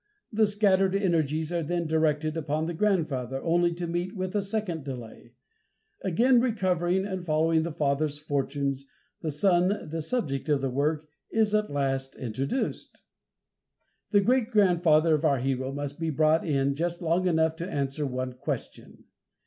The scattered energies are then directed upon the grandfather, only to meet with a second delay. Again recovering, and following the father's fortunes, the son, the subject of the work, is at last introduced. The great grandfather of our hero must be brought in just long enough to answer one question.